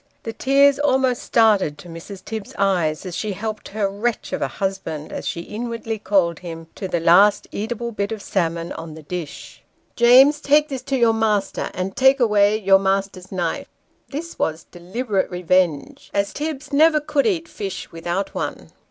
The tears almost started to Mrs. Tibbs's eyes, as she helped her " wretch of a husband," as she inwardly called him, to the last eatable bit of salmon on the dish. " James, take this to your master, and take away your master's knife." This was deliberate revenge, as Tibbs never could eat fish without one.